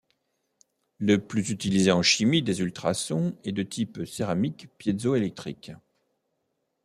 Le plus utilisé en chimie des ultrasons est de type céramique piézoélectrique.